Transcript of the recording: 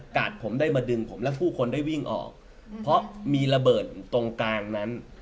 ผมได้มาดึงผมและผู้คนได้วิ่งออกเพราะมีระเบิดตรงกลางนั้น